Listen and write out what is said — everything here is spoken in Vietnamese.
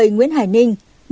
một mươi nguyễn hải ninh